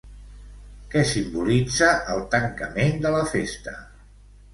Què simbolitza el tancament de la festa?